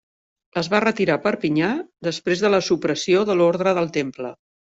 Es va retirar a Perpinyà després de la supressió de l'Orde del Temple.